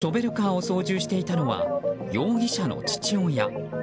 実はショベルカーを操縦していたのは容疑者の父親。